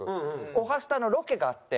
『おはスタ』のロケがあって。